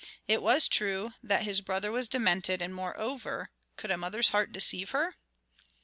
It was true that his brother was demented, and, moreover, could a mother's heart deceive her?